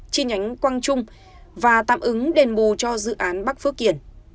chi nhánh quang trung và tạm ứng đền bù cho dự án bắc phước kiển